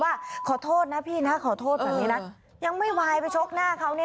ว่าขอโทษนะพี่นะขอโทษแบบนี้นะยังไม่วายไปชกหน้าเขาเนี่ย